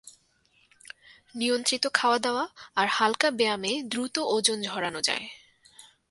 নিয়ন্ত্রিত খাওয়াদাওয়া আর হালকা ব্যায়ামে দ্রুত ওজন ঝরানো যায়।